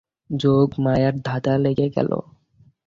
যোগমায়ার ধাঁধা লেগে গেল।